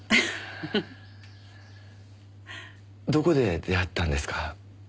どこで出会ったんですか？